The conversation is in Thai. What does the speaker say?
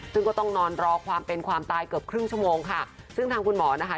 ซึ่งก็ต้องนอนรอความเป็นความตายเกือบครึ่งชั่วโมงค่ะซึ่งทางคุณหมอนะคะ